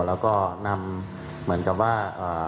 แล้วก็นำเหมือนกับว่า